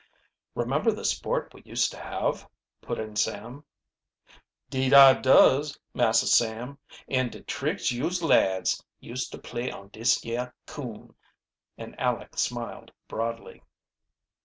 "Remember the sport we used to have?" put in Sam. "'Deed I does, Massah Sam an' de tricks youse lads used to play on dis yeah coon," and Aleck smiled broadly.